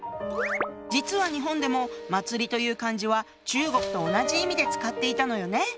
実は日本でも「祭」という漢字は中国と同じ意味で使っていたのよね